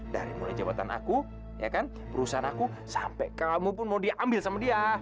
dari mulai jabatan aku perusahaan aku sampai kamu pun mau diambil sama dia